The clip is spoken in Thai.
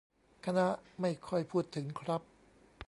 คณะไม่ค่อยพูดถึงครับ